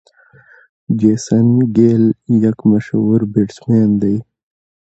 جیسن ګيل یک مشهور بيټسمېن دئ.